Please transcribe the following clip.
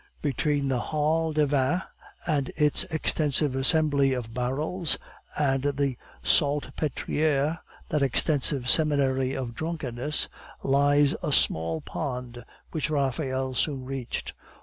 Between the Halle des Vins, with its extensive assembly of barrels, and the Salpetriere, that extensive seminary of drunkenness, lies a small pond, which Raphael soon reached.